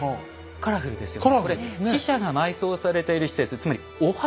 カラフルですね。